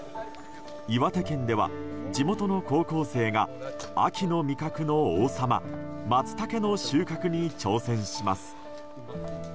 岩手県では地元の高校生が秋の味覚の王様マツタケの収穫に挑戦します。